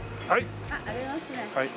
はい。